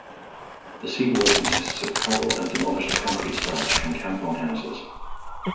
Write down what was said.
The sea wall consists of coral and demolished concrete slabs from Kampong houses.